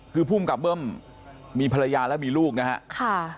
คือภูมิกับเบิ้มมีภรรยาและมีลูกนะฮะ